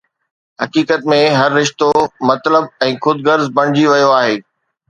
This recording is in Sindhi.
حقيقت ۾، هر رشتو مطلب ۽ خود غرض بڻجي ويو آهي